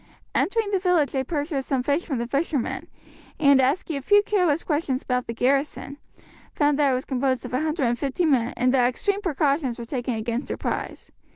Entering the village they purchased some fish from the fishermen, and asking a few careless questions about the garrison, found that it was composed of 150 men, and that extreme precautions were taken against surprise.